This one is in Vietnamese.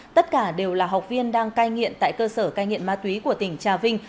tất cả đều là học viên đang cai nghiện tại cơ sở cai nghiện ma túy của tỉnh trà vinh